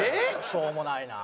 しょうもないなあ。